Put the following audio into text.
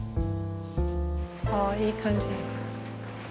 ああいい感じ。